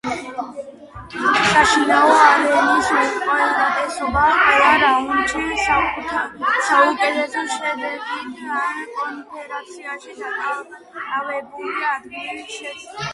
საშინაო არენის უპირატესობა ყველა რაუნდში საუკეთესო შედეგით ან კონფერენციაში დაკავებული ადგილით წყდება.